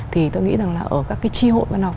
thì tôi nghĩ rằng là ở các cái tri hội văn học